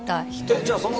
えっじゃあその。